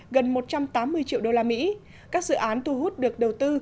gần một trăm tám mươi triệu đô la mỹ các dự án thu hút được đầu tư